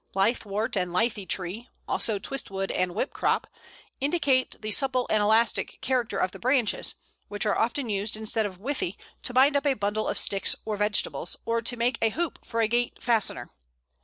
Lithe wort and Lithy tree, also Twist wood and Whipcrop, indicate the supple and elastic character of the branches, which are often used instead of Withy to bind up a bundle of sticks or vegetables, or to make a hoop for a gate fastener.